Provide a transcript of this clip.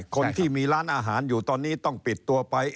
คนที่มีร้านอาหารอยู่ตอนนี้ต้องปิดตัวไป